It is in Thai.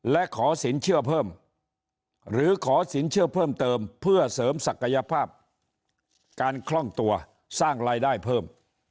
และขอสินเชื่อเพิ่มหรือขอสินเชื่อเพิ่มเติมเพื่อเสริมศักยภาพการคล่องตัวสร้างรายได้เพิ่ม